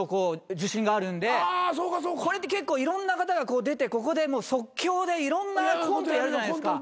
これって結構いろんな方が出てここで即興でいろんなコントやるじゃないですか。